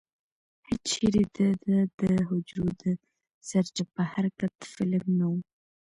هېچېرې دده د حجرو د سرچپه حرکت فلم نه و.